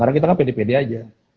karena kita kan pede pede aja